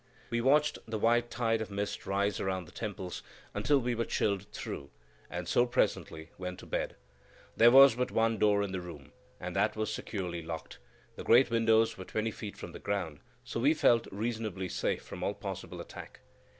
We watched the white tide of mist rise around the temples, until we were chilled through, and so presently went to bed. There was but one door in the room, and that was securely locked; the great windows were twenty feet from the ground, so we felt reasonably safe from all possible attack.